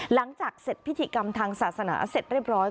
หลังจากเสร็จพิธีกรรมทางศาสนาเสร็จเรียบร้อย